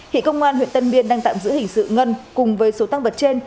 hiện công an huyện tân biên đang tạm giữ hình sự ngân cùng với số tăng vật trên